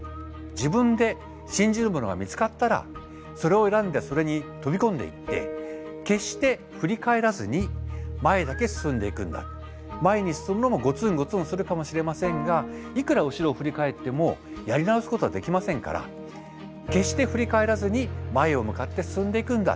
自分で信じるものが見つかったらそれを選んでそれに飛び込んでいって前に進むのもゴツンゴツンするかもしれませんがいくら後ろを振り返ってもやり直すことはできませんから決して振り返らずに前を向かって進んでいくんだ。